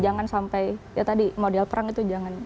jangan sampai ya tadi model perang itu jangan